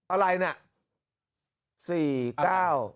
อะไรนะ๔๙๑หรอ